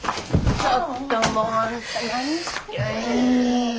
ちょっともうあんた何してんねん！